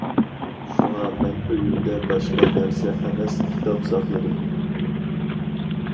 شۇڭا مەن ئۆيۈمدە باشقا نەرسە ئەمەس كىتاب ساقلىدىم.